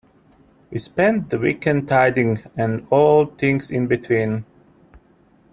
We spent the weekend tidying and all things in-between.